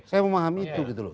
saya memahami itu gitu loh